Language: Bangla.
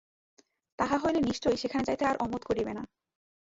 তাহা হইলে নিশ্চয়ই সেখানে যাইতে আর অমত করিবে না।